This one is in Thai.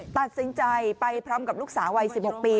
ตัดสินใจไปพร้อมกับลูกสาววัย๑๖ปี